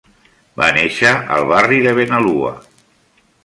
Va néixer al barri de Benalua.